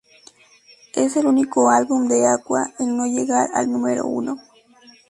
Es el único álbum de Aqua en no llegar al número uno.